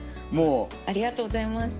ありがとうございます。